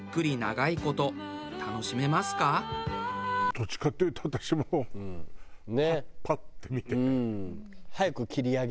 どっちかっていうと私もパッて見て。